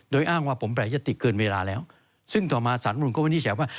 โดยอ้างว่าผมประยะติกเกินเวลาแล้วซึ่งต่อมาสรรค์มรุนก็วันนี้แสดงว่า